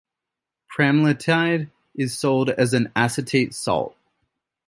Pramlintide is sold as an acetate salt.